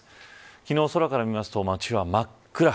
昨日、空から見ると街は真っ暗。